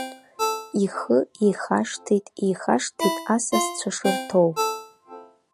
Ихы ихашҭит, ихашҭит асасцәа шырҭоу.